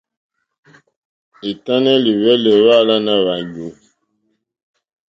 È tánɛ́ lìhwɛ́lɛ́ hwáàlánà hwáɲú.